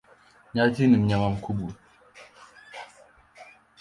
Nyati ni mnyama mkubwa.